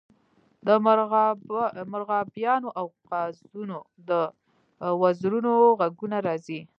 د مرغابیانو او قازونو د وزرونو غږونه راځي